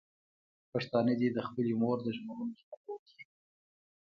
پښتانه دې د خپلې مور د ژغورلو ژمنه وکړي.